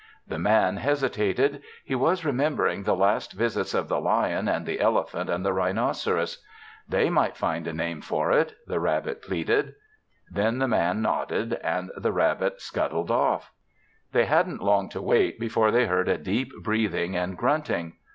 The Man hesitated. He was remembering the last visits of the lion and the elephant and the rhinoceros. "They might find a name for it," the rabbit pleaded. Then the Man nodded and the rabbit scuttled off. They hadn't long to wait before they heard a deep breathing and grunting.